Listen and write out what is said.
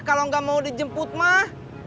kalau nggak mau dijemput mah